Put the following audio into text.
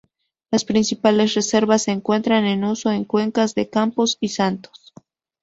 Las principales reservas se encuentran en uso en cuencas de Campos y Santos.